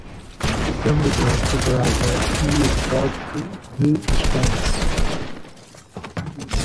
A mulher dobrada e o pote de descanso.